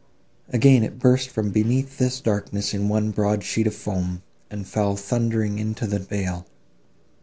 Again it burst from beneath this darkness in one broad sheet of foam, and fell thundering into the vale.